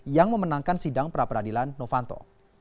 yang memenangkan sidang pra peradilan novanto